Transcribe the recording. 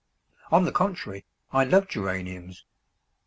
On the contrary, I love Geraniums.